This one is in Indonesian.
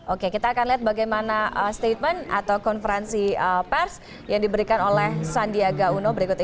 oke kita akan lihat bagaimana statement atau konferensi pers yang diberikan oleh sandiaga uno berikut ini